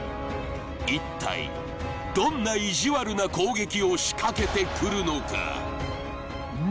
一体どんな意地悪な攻撃を仕掛けてくるのか？だしん！